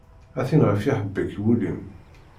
A tin ɣef iḥebbek wul-iw.